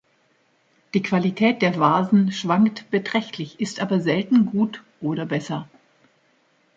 Die Qualität der Vasen schwankt beträchtlich, ist aber selten gut oder besser.